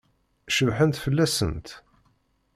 Cebḥent fell-asent?